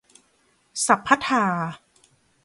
สัพพะทา